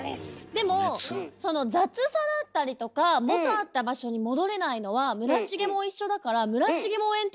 でもその雑さだったりとか元あった場所に戻れないのは村重も一緒だから村重もエントロピーってこと？